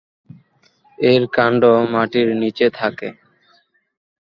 এর কাণ্ড মাটির নিচে থাকে।